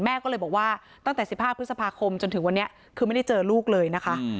แม่ก็เลยบอกว่าตั้งแต่๑๕พฤษภาคมจนถึงวันนี้คือไม่ได้เจอลูกเลยนะคะ